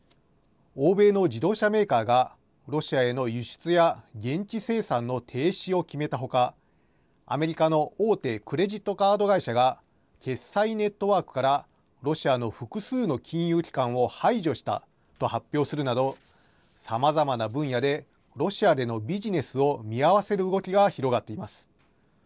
欧米の自動車メーカーがロシアへの輸出や現地生産の停止を決めたほか、アメリカの大手クレジットカード会社が、決済ネットワークからロシアの複数の金融機関を排除したと発表するなど、さまざまな分野でロシアでのビジネスを見合わせる動きが広がっています。